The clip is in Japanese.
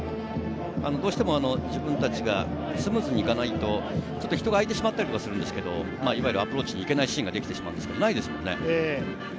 どうしても自分たちがスムーズにいかないと、人が開いてしまったりとかするんですけどアプローチに行けないシーンができてしまうんですけれど、ないですよね。